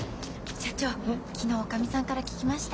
社長昨日おかみさんから聞きました。